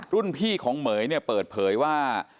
รุ่นพี่ของเหม๋ยเนี่ยเปิดเผยว่า